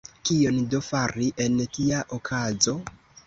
Kion do fari en tia okazo?